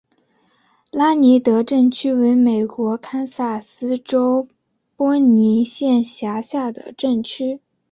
拉尼德镇区为美国堪萨斯州波尼县辖下的镇区。